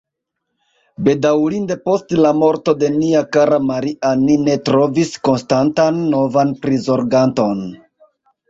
Bedaŭrinde post la morto de nia kara Maria ni ne trovis konstantan novan prizorganton.